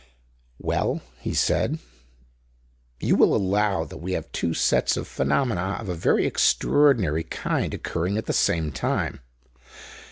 "Well," he said, "you will allow that we have two sets of phenomena of a very extraordinary kind occurring at the same time.